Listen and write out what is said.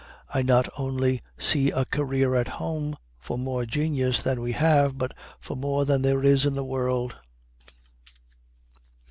I not only see a career at home for more genius than we have, but for more than there is in the world."